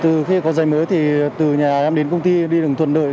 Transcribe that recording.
từ khi có dây mới thì từ nhà em đến công ty đi đường thuận lợi